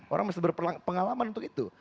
orang mesti berpengalaman untuk itu